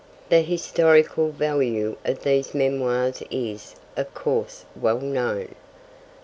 The historical value of these Memoirs is, of course, well known.